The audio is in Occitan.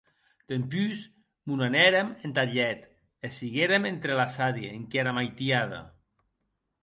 Dempús mo n’anèrem entath lhet, e siguérem entrelaçadi enquiara maitiada.